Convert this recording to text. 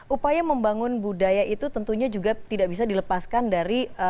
upaya membangun budaya itu tentunya juga tidak bisa dilepaskan dari